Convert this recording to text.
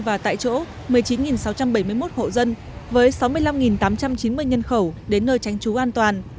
và tại chỗ một mươi chín sáu trăm bảy mươi một hộ dân với sáu mươi năm tám trăm chín mươi nhân khẩu đến nơi tránh trú an toàn